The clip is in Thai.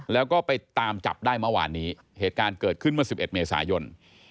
แล้วก็ไปตามจับได้เมื่อวานนี้เหตุการณ์เกิดขึ้นเมื่อ๑๑เมษายน